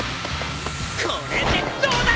これでどうだ！